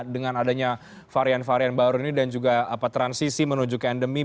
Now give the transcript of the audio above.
dengan adanya varian varian baru ini dan juga transisi menuju ke endemi